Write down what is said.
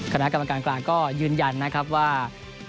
คณะกรรมการกลางก็ยืนยันนะครับว่า